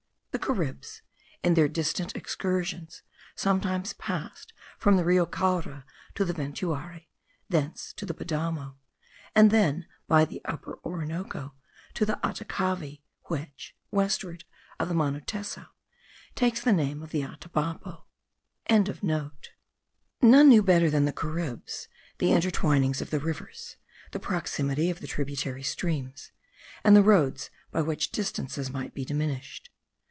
The Caribs in their distant excursions sometimes passed from the Rio Caura to the Ventuari, thence to the Padamo, and then by the Upper Orinoco to the Atacavi, which, westward of Manuteso, takes the name of the Atabapo.) and the Caura, the Erevato and the Ventuari, the Conorichite and the Atacavi. None knew better than the Caribs the intertwinings of the rivers, the proximity of the tributary streams, and the roads by which distances might be diminished.